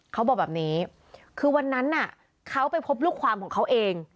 เขาบอกแบบนี้คือวันนั้นเขาไปพบลูกความของเขาเอง